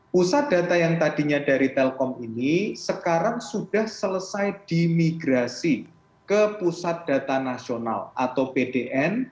pusat data yang tadinya dari telkom ini sekarang sudah selesai dimigrasi ke pusat data nasional atau pdn